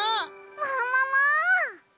ももも！